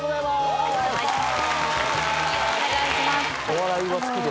お願いします。